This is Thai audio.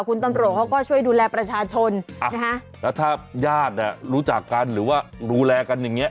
คุณตำรวจเขาก็ช่วยดูแลประชาชนแล้วถ้าญาติเนี่ยรู้จักกันหรือว่าดูแลกันอย่างเงี้